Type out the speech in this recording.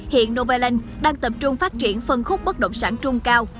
hiện novaland đang tập trung phát triển phân khúc bất động sản trung cao